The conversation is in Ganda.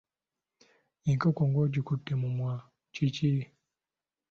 Enkoko ng'ogikutte mumwa! Kiki?